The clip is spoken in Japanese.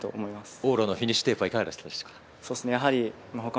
往路のフィニッシュテープはいかがでしたか？